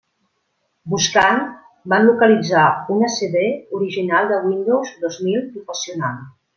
Buscant, van localitzar una CD original de Windows dos mil Professional.